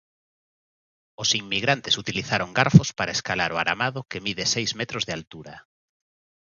Os inmigrantes utilizaron garfos para escalar a aramado que mide seis metros de altura.